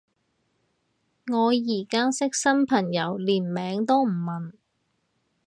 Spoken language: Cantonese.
我而家識新朋友連名都唔問